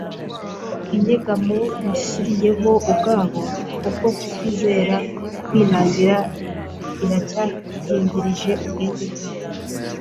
Inyegamo bishyiriyeho ubwabo ku bwo kutizera kwinangiye, iracyakingirije ubwenge bwabo